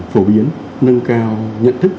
phổ biến nâng cao nhận thức